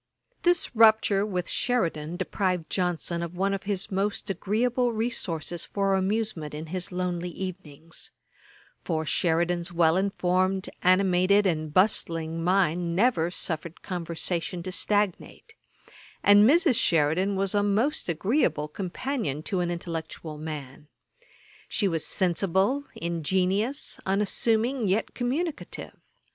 1763.] This rupture with Sheridan deprived Johnson of one of his most agreeable resources for amusement in his lonely evenings; for Sheridan's well informed, animated, and bustling mind never, suffered conversation to stagnate; and Mrs. Sheridan was a most agreeable companion to an intellectual man. She was sensible, ingenious, unassuming, yet communicative.